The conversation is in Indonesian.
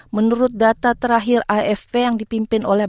menurut data terakhir afp yang dipimpin oleh